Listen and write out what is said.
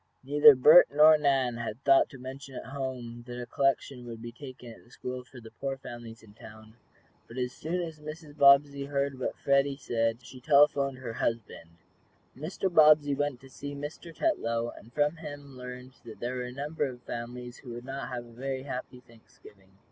Neither Bert nor Nan had thought to mention at home that a collection would be taken at the school for the poor families in the town. But as soon as Mrs. Bobbsey heard what Freddie said she telephoned to her husband. Mr. Bobbsey went to see Mr. Tetlow, and from him learned that there were a number of families who would not have a very happy Thanksgiving.